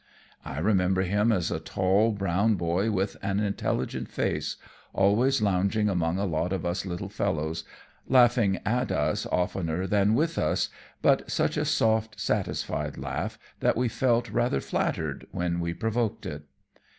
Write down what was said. I remember him as a tall, brown boy with an intelligent face, always lounging among a lot of us little fellows, laughing at us oftener than with us, but such a soft, satisfied laugh that we felt rather flattered when we provoked it.